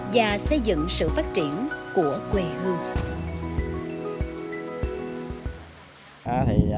và xây dựng sự phát triển của quê hương